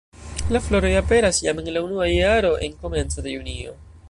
La floroj aperas jam en la unua jaro en komenco de junio.